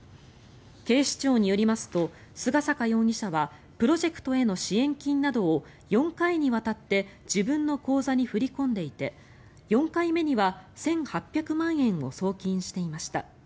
警視庁によりますと菅坂容疑者はプロジェクトへの支援金などを４回にわたって自分の口座に振り込んでいて４回目には１８００万円を送金していました。